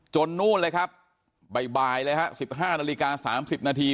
จนนู้นเลยครับบ่ายบ่ายเลยฮะสิบห้านาฬิกาสามสิบนาที